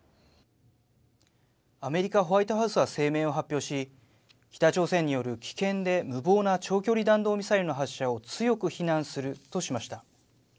アメリカ・ホワイトハウスは声明を発表し北朝鮮による危険で無謀な長距離弾道ミサイルの発射を強く非難するとしました。